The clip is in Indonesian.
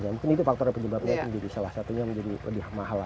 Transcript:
mungkin itu faktor penyebabnya menjadi salah satunya menjadi lebih mahal